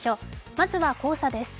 まずは黄砂です。